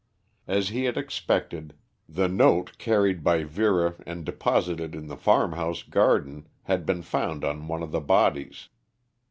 As he had expected, the note carried by Vera and deposited in the farmhouse garden had been found on one of the bodies.